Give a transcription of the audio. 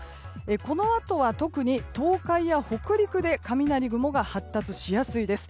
このあとは特に東海や北陸で雷雲が発達しやすいです。